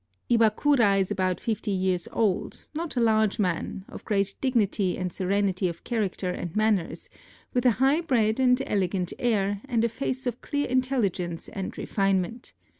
Iwakura is about fifty years old; not a large man; of great dignity and serenity of character and manners, with a high bred and elegant air, and a face of clear intelligence and refinement.